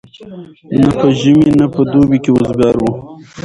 نه په ژمي نه په دوبي کي وزګار وو